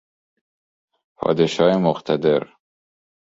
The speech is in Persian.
پادشاه مقتدر